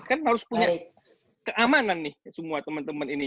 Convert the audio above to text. kan harus punya keamanan nih semua teman teman ini